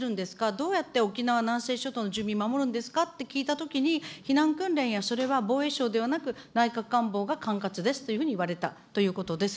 どうやって沖縄、南西諸島の住民守るんですかって聞いたときに、避難訓練やそれは防衛省ではなく、内閣官房が管轄ですというふうに言われたということです。